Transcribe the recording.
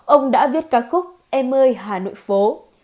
ông đã viết ca khúc em ơi hà nội phố